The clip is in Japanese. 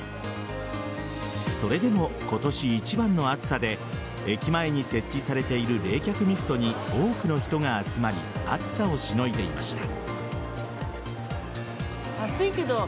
それでも、今年一番の暑さで駅前に設置されている冷却ミストに多くの人が集まり暑さをしのいでいました。